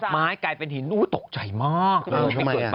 ไม้กลายเป็นหินโอ้โฮตกใจมาก